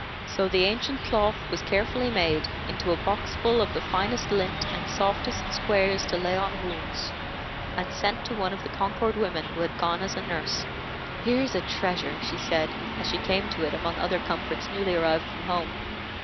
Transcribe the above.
So the ancient cloth was carefully made into a boxful of the finest lint and softest squares to lay on wounds, and sent to one of the Concord women who had gone as a nurse. "Here's a treasure!" she said, as she came to it among other comforts newly arrived from home.